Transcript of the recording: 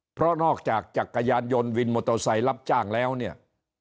เพราะนอกจากจักรยานยนต์วินมอเตอร์ไซค์รับจ้างแล้วเนี่ย